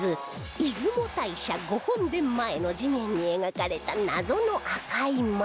出雲大社御本殿前の地面に描かれた謎の赤い丸